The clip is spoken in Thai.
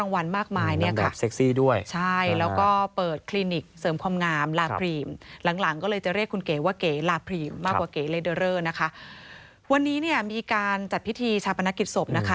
วันนี้เนี่ยมีการจัดพิธีชาปนกิจศพนะคะ